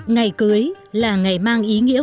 ngày cưới là ngày mang ý nghĩa